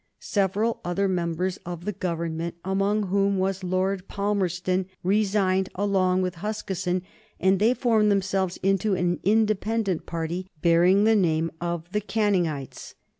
Several other members of the Government, among whom was Lord Palmerston, resigned along with Huskisson, and they formed themselves into an independent party, bearing the name of the Canningites.